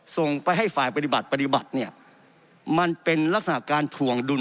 ส่งไปให้ฝ่ายปฏิบัติปฏิบัติเนี่ยมันเป็นลักษณะการถวงดุล